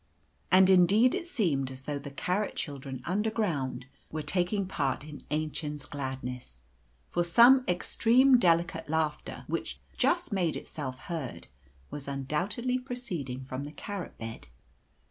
And indeed it seemed as though the carrot children underground were taking part in Aennchen's gladness, for some extremely delicate laughter, which just made itself heard, was undoubtedly proceeding from the carrot bed.